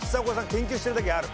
研究してるだけある。